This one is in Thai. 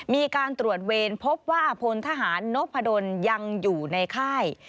มีการตรวจเวรพบว่าพลทหารนพดลยังอยู่ในค่าย